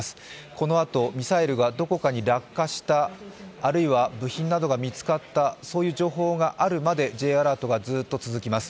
このあとミサイルがどこかに落下した、あるいは部品などが見つかったという情報があるまで、Ｊアラートがずっと続きます。